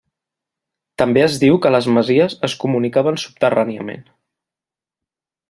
També es diu que les masies es comunicaven subterràniament.